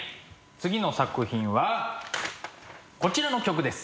次の作品はこちらの曲です。